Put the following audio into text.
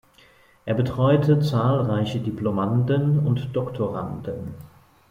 Er betreute zahlreiche Diplomanden und Doktoranden.